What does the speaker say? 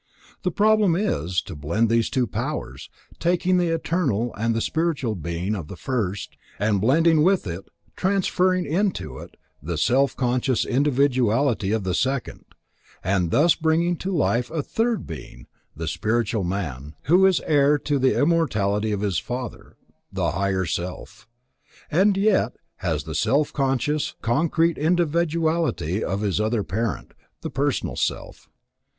The problem is, to blend these two powers, taking the eternal and spiritual being of the first, and blending with it, transferring into it, the self conscious individuality of the second; and thus bringing to life a third being, the spiritual man, who is heir to the immortality of his father, the Higher Self, and yet has the self conscious, concrete individuality of his other parent, the personal self.